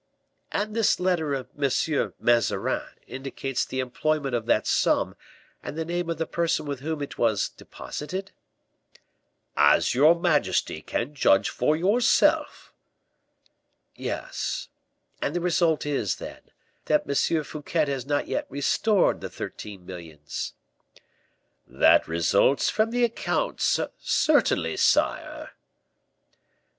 "And this letter of M. Mazarin indicates the employment of that sum and the name of the person with whom it was deposited?" "As your majesty can judge for yourself." "Yes; and the result is, then, that M. Fouquet has not yet restored the thirteen millions." "That results from the accounts, certainly, sire."